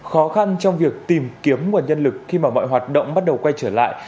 khó khăn trong việc tìm kiếm nguồn nhân lực khi mà mọi hoạt động bắt đầu quay trở lại